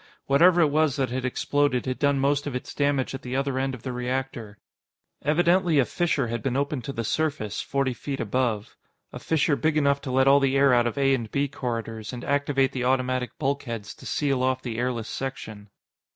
Whatever it was that had exploded had done most of its damage at the other end of the reactor. Evidently, a fissure had been opened to the surface, forty feet above a fissure big enough to let all the air out of A and B corridors, and activate the automatic bulkheads to seal off the airless section.